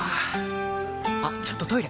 あっちょっとトイレ！